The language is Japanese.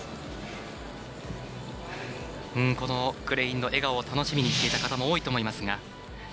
クレインの笑顔を楽しみにしていた方も多いと思いますが。